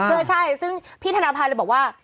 เออใช่ซึ่งพี่ธนภาเลยบอกว่า